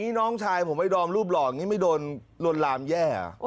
ใต้น้องชายผมให้ดอมรูปหล่อไม่โดนโรนลามแย่